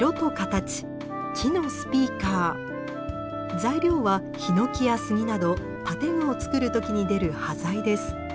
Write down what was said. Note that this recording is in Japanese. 材料はヒノキやスギなど建具をつくる時に出る端材です。